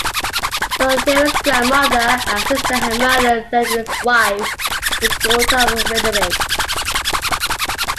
Theuderic's grandmother and sister had murdered Theuderic's wife, the daughter of Witteric.